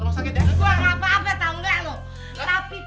gak apa apa tahu gak